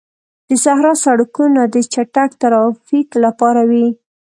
د صحرا سړکونه د چټک ترافیک لپاره وي.